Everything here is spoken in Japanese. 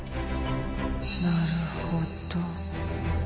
なるほど。